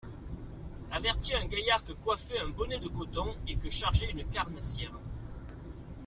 Avertit un gaillard que coiffait un bonnet de coton, et que chargeait une carnassière.